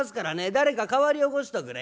誰か代わり寄こしとくれ。